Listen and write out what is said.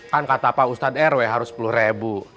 kan kata pak ustadz rw harus sepuluh ribu